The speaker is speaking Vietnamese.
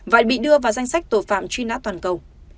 vậy bị đưa vào danh sách tội phạm truy nã toàn cầu